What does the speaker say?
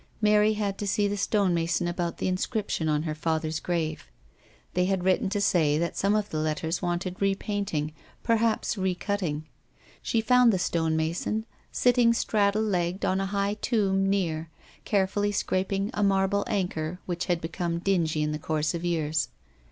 Mary had to see the stonemason about the inscription on her father's grave. They had written to say that some of the letters wanted repainting, perhaps recutting. She found the stonemason sitting straddle legged on a high tomb near, carefully scraping a marble anchor which had become dingy in the course of years.